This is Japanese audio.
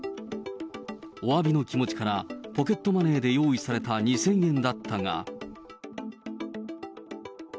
おわびの気持ちから、ポケットマネーで用意された２０００円だったが。